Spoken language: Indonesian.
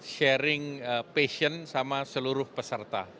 sharing passion sama seluruh peserta